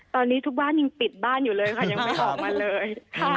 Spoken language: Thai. ตอนนี้ทุกบ้านยังปิดบ้านอยู่เลยค่ะยังไม่ออกมาเลย